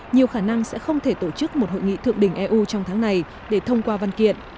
nhiều khả năng sẽ không thể tổ chức một hội nghị thượng đỉnh eu trong tháng này để thông qua văn kiện